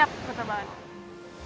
ya betul banget